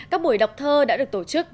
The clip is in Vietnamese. các buổi đọc thơ đã được tổ chức